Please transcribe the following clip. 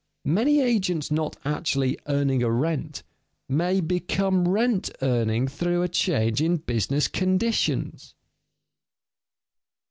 Many agents not actually earning a rent, may become rent earning through a change in business conditions.